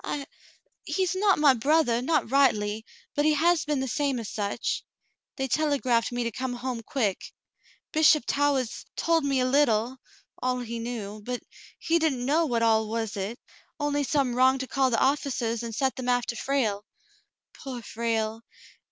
I — he's not my brothah — not rightly, but he has been the same as such. They telegraphed me to come home quick. Bishop Towahs told me a little — all he knew, — but he didn't know what all was it, only some wrong to call the officahs and set them aftah Frale — poor Frale.